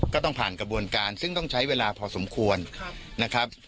ก็ต้องผ่านกระบวนการซึ่งต้องใช้เวลาพอสมควรนะครับ